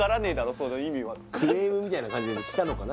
その意味はクレームみたいな感じでしたのかな？